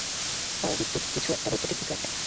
অও, বৈদ্যুতিক কিছু একটা।